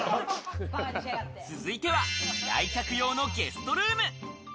続いては来客用のゲストルーム。